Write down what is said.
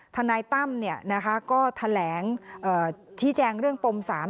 ธนายตั้มก็แถลงชี้แจงเรื่องปม๓๐๐๐๐๐๐บาท